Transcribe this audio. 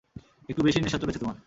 একটু বেশিই নেশা চড়েছে তোমার।